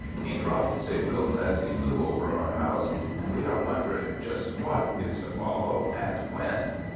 He dropped signals as he flew over our house — and we are wondering just what is to follow — and when